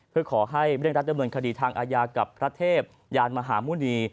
เพื่อขอให้เบี้ยงรัดด้านเมืองคดีทางอาญากับรัฐเทพยานมหามูหนี